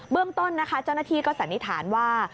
เรื่องต้นนะคะเจ้าหน้าที่ก็สันนิษฐานว่า